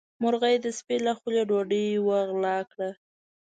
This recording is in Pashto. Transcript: مرغۍ د سپي له خولې ډوډۍ وغلا کړه.